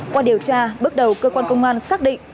qua điều tra bước đầu cơ quan công an xác định